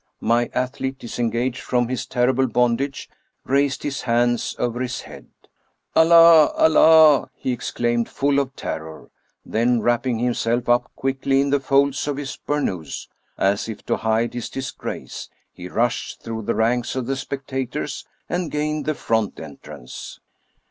My athlete, disengaged from his ter rible bondage, raised his hands over his head. " Allah ! Allah !" he exclaimed, full of terror ; then wrap ping himself up quickly in the folds of his burnous, as if to hide his disgrace, he rushed through the ranks of the spectators and gained the front entrance.